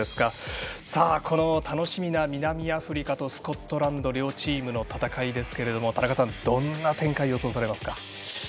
この楽しみな南アフリカとスコットランド両チームの戦いですけれども田中さん、どんな展開を予想されますか？